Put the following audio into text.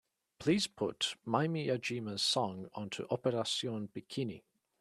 Please put maimi yajima's song onto Operación Bikini.